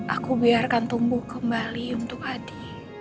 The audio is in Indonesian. aku biarkan tumbuh kembali untuk adi